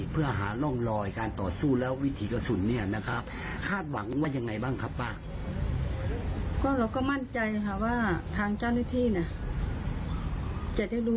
จะได้รู้ว่ากะสุนค่ะเป็นของดีใจเออ